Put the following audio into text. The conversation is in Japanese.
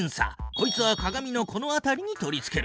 こいつは鏡のこの辺りに取り付ける。